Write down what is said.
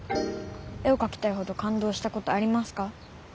絵をかきたいほどかんどうしたことありますか？